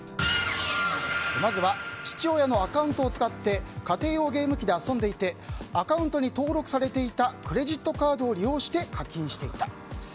まずは父親のアカウントを使って家庭用ゲーム機で遊んでいてアカウントに登録されていたクレジットカードを利用して課金していた。